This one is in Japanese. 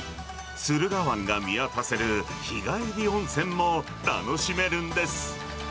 駿河湾が見渡せる日帰り温泉も楽しめるんです。